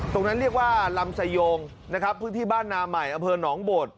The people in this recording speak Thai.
เรียกว่าลำไซโยงนะครับพื้นที่บ้านนาใหม่อำเภอหนองโบด